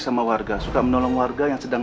sama warga suka menolong warga yang sedang